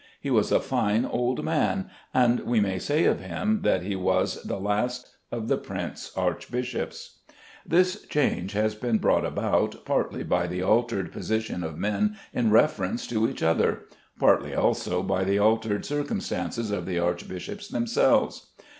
He was a fine old man; and we may say of him that he was the last of the prince archbishops. This change has been brought about, partly by the altered position of men in reference to each other, partly also by the altered circumstances of the archbishops themselves.